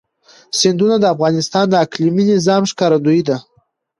سیندونه د افغانستان د اقلیمي نظام ښکارندوی ده.